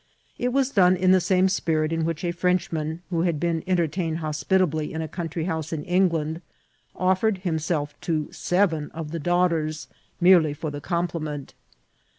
It was done in the TItIT TO LA ANTIGUA. 265 flame spirit in which a Frenchman, who had been en tertained hospitably in a country house in England, of fered himself to seven of the daughters, merely for the compliment.